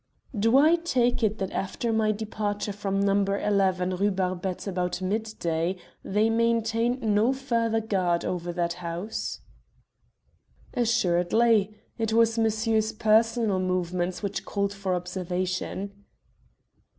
"Do I take it that after my departure from No. 11, Rue Barbette about midday they maintained no further guard over that house?" "Assuredly. It was monsieur's personal movements which called for observation."